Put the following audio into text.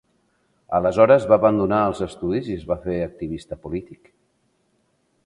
Aleshores va abandonar els estudis i es va fer activista polític.